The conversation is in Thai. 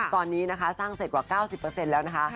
ตอนนี้นะคะสร้างเสร็จกว่า๙๐แล้วนะคะ